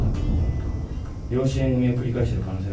養子縁組を繰り返してる可能性が高い。